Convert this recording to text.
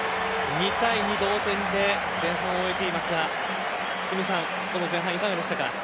２対２の同点で前半を終えていますが清水さん、前半いかがでしたか。